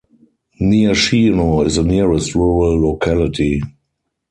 Nyashino is the nearest rural locality.